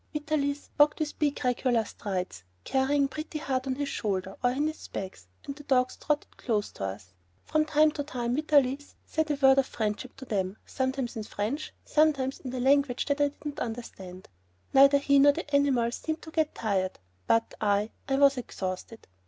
Vitalis walked with big regular strides, carrying Pretty Heart on his shoulder, or in his bag, and the dogs trotted close to us. From time to time Vitalis said a word of friendship to them, sometimes in French, sometimes in a language that I did not understand. Neither he nor the animals seemed to get tired. But I ... I was exhausted.